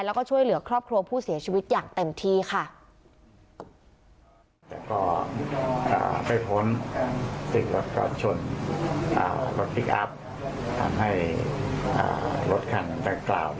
แล้วก็ช่วยเหลือครอบครัวผู้เสียชีวิตอย่างเต็มที่ค่ะ